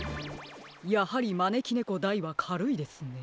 やはりまねきねこ・大はかるいですね。